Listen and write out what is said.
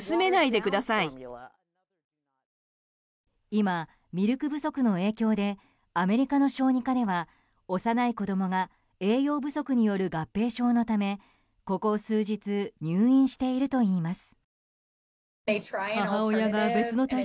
今、ミルク不足の影響でアメリカの小児科では幼い子供が栄養不足による合併症のためここ数日入院しているといいます。